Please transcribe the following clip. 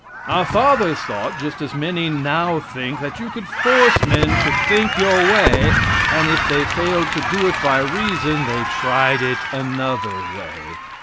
Our fathers thought, just as many now think, that you could force men to think your way and if they failed to do it by reason, they tried it another way.